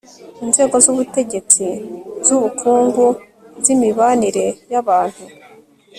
inzego z'ubutegetsi, z'ubukungu, z'imibanire y'abantu